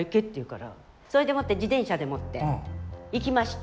それでもって自転車でもって行きました。